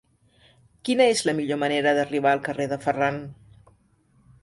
Quina és la millor manera d'arribar al carrer de Ferran?